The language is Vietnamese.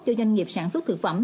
cho doanh nghiệp sản xuất thực phẩm